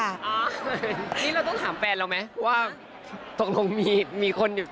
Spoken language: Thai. นี่เราต้องถามแฟนเราไหมว่าตกลงมีคน